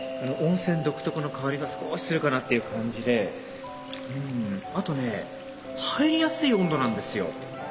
温泉独特の香りが少しするかなっていう感じでうんあとね入りやすい温度なんですよ。